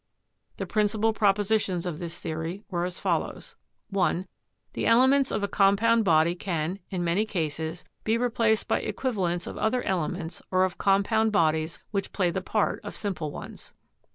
The principal propositions of this theory were as follows: 1. The elements of a compound body can, in many cases, be replaced by equivalents of other elements or of compound bodies which play the part of simple ones.